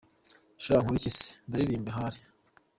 Sha nkora iki se? Ndaririmba ahari!.